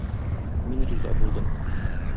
Мин риза булдым.